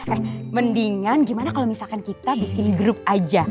eh mendingan gimana kalau misalkan kita bikin grup aja